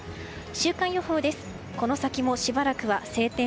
週間予報です。